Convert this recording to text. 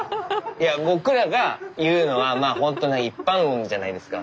いや僕らが言うのはまあほんとに一般論じゃないですか。